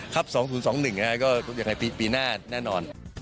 ครับ๒๐๒๑นะครับก็อย่างไรปีหน้าแน่นอน